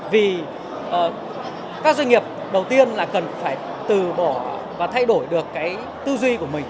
vì các doanh nghiệp đầu tiên là cần phải từ bỏ và thay đổi được cái tư duy của mình